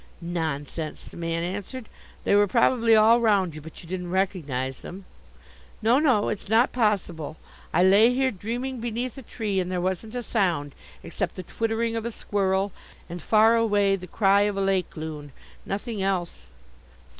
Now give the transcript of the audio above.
"Nonsense," the man answered. "They were probably all round you but you didn't recognize them." "No, no, it's not possible. I lay here dreaming beneath a tree and there wasn't a sound, except the twittering of a squirrel and, far away, the cry of a lake loon, nothing else."